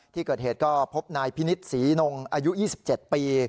ที่เกิดเหตุก็พบนายพินิษฐ์ศรีนงอายุ๒๗ปี